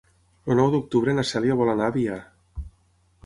El nou d'octubre na Cèlia vol anar a Biar.